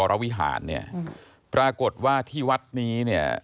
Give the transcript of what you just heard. กลายละครปรากฏว่าที่วัดนี้